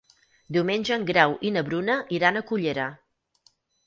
Diumenge en Grau i na Bruna iran a Cullera.